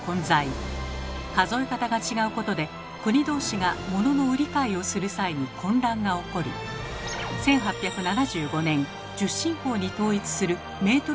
数え方が違うことで国同士がモノの売り買いをする際に混乱が起こり１８７５年１０進法に統一する「メートル条約」が結ばれました。